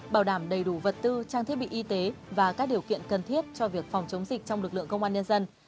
bảo đảm đầy đủ vật tư trang thiết bị y tế và các điều kiện cần thiết cho việc phòng chống dịch trong lực lượng công an nhân dân